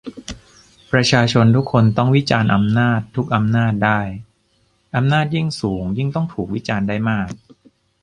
ประชาชนทุกคนต้องวิจารณ์อำนาจทุกอำนาจได้ อำนาจยิ่งสูงยิ่งต้องถูกวิจารณ์ได้มาก